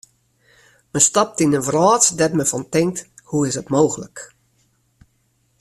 Men stapt yn in wrâld dêr't men fan tinkt: hoe is it mooglik.